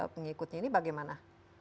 pengikutnya ini bagaimana